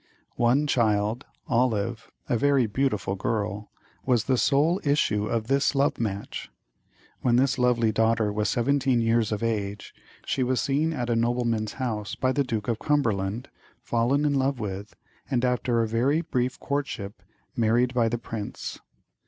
One child, Olive, a very beautiful girl, was the sole issue of this love match. When this lovely daughter was seventeen years of age, she was seen at a nobleman's house by the Duke of Cumberland, fallen in love with, and after a very brief courtship married by the prince.